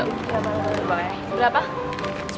mau yang balado boleh